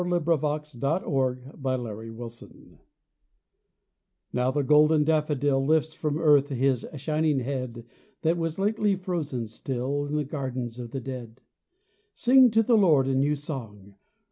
RESURRECTION 79 RESURRECTION Now the golden daffodil Lifts from earth his shining head That was lately frozen still In the gardens of the dead. Sing to the Lord a new song